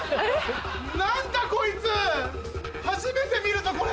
何だこいつ初めて見るぞこれ。